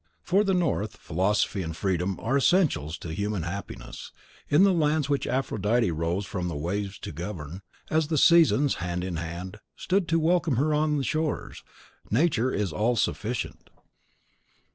For the North, philosophy and freedom are essentials to human happiness; in the lands which Aphrodite rose from the waves to govern, as the Seasons, hand in hand, stood to welcome her on the shores, Nature is all sufficient.